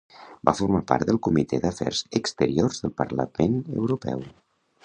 Va formar part del comitè d'Afers Exteriors del Parlament Europeu.